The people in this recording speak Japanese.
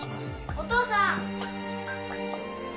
お父さん！